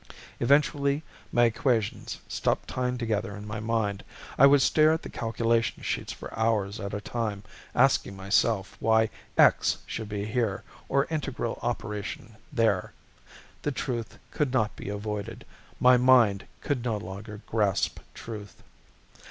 Eventually my equations stopped tying together in my mind. I would stare at the calculation sheets for hours at a time, asking myself why x should be here or integral operation there. The truth could not be avoided: my mind could no longer grasp truth.